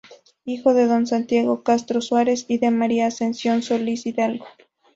Hijo de don Santiago Castro Suárez y de María Ascensión Solís Hidalgo.